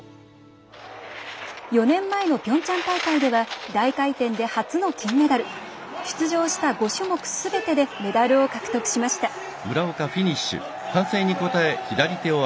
４年前のピョンチャン大会では大回転で初の金メダル。出場した５種目すべてでメダルを獲得しました。